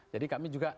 jadi kami juga